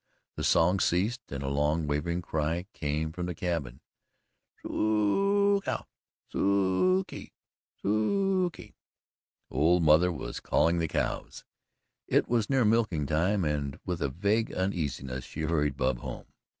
The song ceased and a long wavering cry came from the cabin. "So o o cow! S o o kee! S o o kee!" The old mother was calling the cows. It was near milking time, and with a vague uneasiness she hurried Bub home.